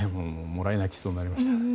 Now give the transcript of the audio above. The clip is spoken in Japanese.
もらい泣きしそうになりました。